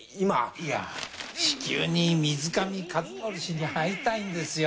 いや至急に水上和憲氏に会いたいんですよ。